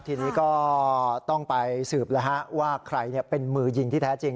ทีนี้ก็ต้องไปสืบว่าใครเป็นมือยิงที่แท้จริง